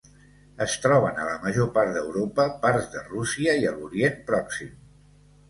Es troben a la major part d'Europa, parts de Rússia i a l'Orient pròxim.